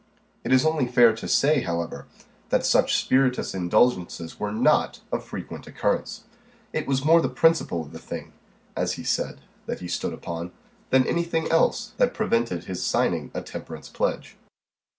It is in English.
It is only fair to say, however, that such spirituous indulgences were not of frequent occurrence. It was more the principle of the thing, as he said, that he stood upon, than any thing else, that prevented his signing a temperance pledge.